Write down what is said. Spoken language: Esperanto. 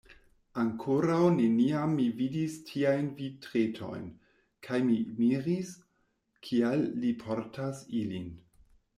Ankoraŭ neniam mi vidis tiajn vitretojn kaj mi miris, kial li portas ilin.